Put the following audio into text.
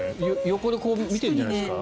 横で見ているんじゃないですか。